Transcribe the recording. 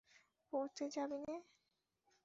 পড়তে যাবি নে?